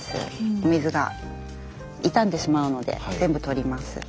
お水が傷んでしまうので全部取ります。